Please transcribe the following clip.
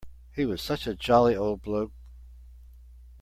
He was such a jolly old bloke.